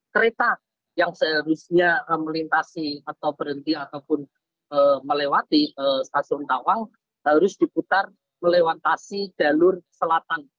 karena yang seharusnya melintasi atau berhenti ataupun melewati stasiun tawang harus diputar melewati dalur selatan